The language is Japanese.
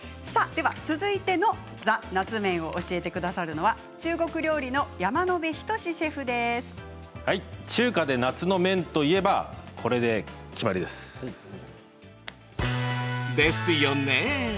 続いての「ＴＨＥ夏麺」を教えてくださるのは中国料理の中華で夏の麺といえばこれで決まりです。ですよね。